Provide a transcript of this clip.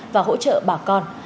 và hỗ trợ bà con